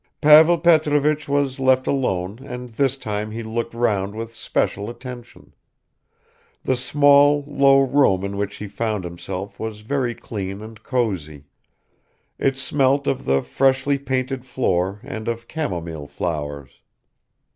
Pavel Petrovich was left alone and this time he looked round with special attention. The small, low room in which he found himself was very clean and cosy. It smelt of the freshly painted floor and of camomile flowers.